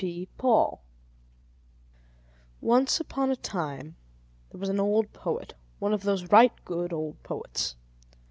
THE SAUCY BOY Once upon a time there was an old poet, one of those right good old poets.